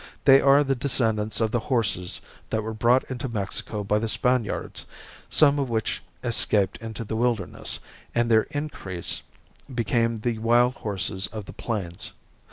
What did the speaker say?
They are the descendants of the horses that were brought into Mexico by the Spaniards, some of which escaped into the wilderness and their increase became the wild horses of the plains.